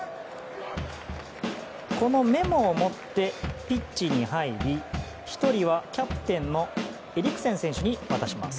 このメモを持ってピッチに入り１人はキャプテンのエリクセン選手に渡します。